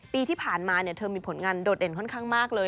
ปีที่ผ่านมาเธอมีผลงานโดดเด่นค่อนข้างมากเลย